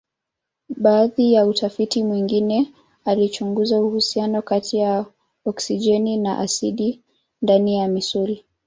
Baadhi ya utafiti mwingine alichunguza uhusiano kati ya oksijeni na asidi ndani ya misuli.